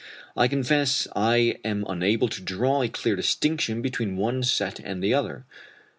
I confess I am unable to draw a clear distinction between one set and the other.